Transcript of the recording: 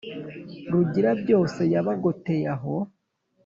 Rugira byose yabagoteye aho